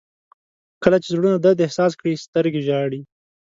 • کله چې زړونه درد احساس کړي، سترګې ژاړي.